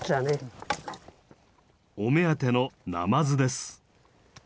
お目当てのナマズです。